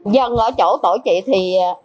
dân ở chỗ tổ trị thì